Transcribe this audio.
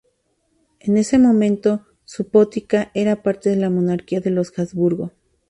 En ese momento, Subotica era parte de la monarquía de los Habsburgo.